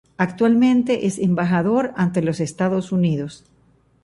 Actualmente es embajador ante los Estados Unidos.